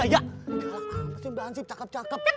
jalak apa sih mbak ansip cakep cakep